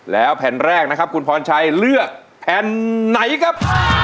แล้วแผ่นแรกนะครับคุณพรชัยเลือกแผ่นไหนครับ